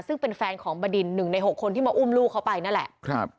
ซึ่งเป็นแฟนของบดิน๑ใน๖คนที่มาอุ้มลูกเขาไปนั่นแหละ